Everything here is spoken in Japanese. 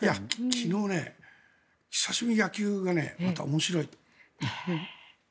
昨日、久しぶりに野球が面白いと。